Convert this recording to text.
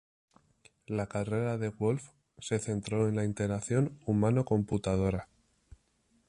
La carrera de Wolf se centró en la interacción humano-computadora.